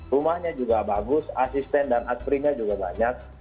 rumahnya juga bagus asisten dan asprinya juga banyak